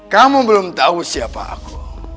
kamu belum tahu siapa aku